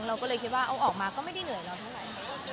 เราก็เลยคิดว่าเอาออกมาก็ไม่ได้เหนื่อยเราเท่าไหร่